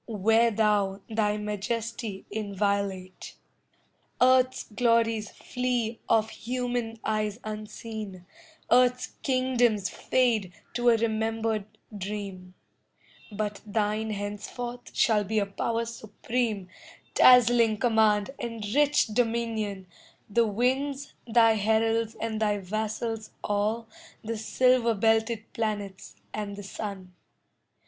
Wear thou thy majesty inviolate. Earth's glories flee of human eyes unseen, Earth's kingdoms fade to a remembered dream, But thine henceforth shall be a power supreme, Dazzling command and rich dominion, The winds thy heralds and thy vassals all The silver belted planets and the sun.